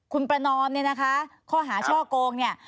คุณประนอมเนี่ยนะคะข้อหาช่อโกงเนี่ย